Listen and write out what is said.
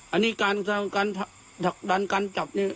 อันนี้การทักดันการจับ